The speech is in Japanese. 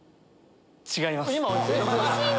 違います。